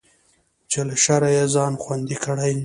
چې له شره يې ځان خوندي کړي.